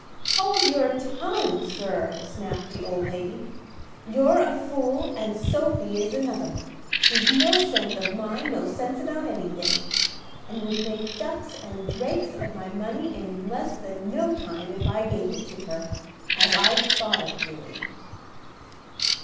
"Hold your tongue, sir," snapped the old lady. "You're a fool and Sophy is another. She's no strength of mind, no sense about anything; and would make ducks and drakes of my money in less than no time if I gave it to her, as I've thought of doing."